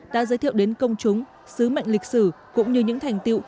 đã giới thiệu đến công chúng sứ mệnh lịch sử